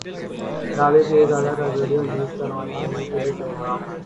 رابی پیرزادہ کا video leak کرنیوالوں کے لیے پیغام